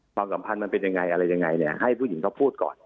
ความสัมพันธ์มันเป็นยังไงอะไรยังไงเนี่ยให้ผู้หญิงเขาพูดก่อน